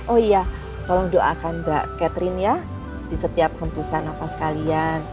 oh iya tolong doakan mbak catherine ya di setiap hembusan nafas kalian